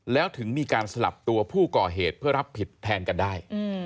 แล้วถึงมีการสลับตัวผู้ก่อเหตุเพื่อรับผิดแทนกันได้